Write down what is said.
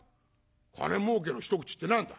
「金儲けの一口って何だ？」。